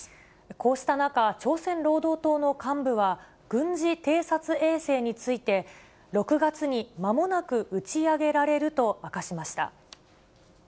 こうした中、朝鮮労働党の幹部は、軍事偵察衛星について、６月にまもなく打ち上げられると明かしました。